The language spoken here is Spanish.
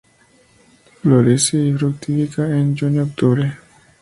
Florece y fructifica en junio-octubre.